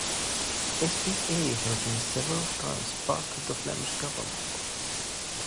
Sp.a has been several times part of the Flemish Government.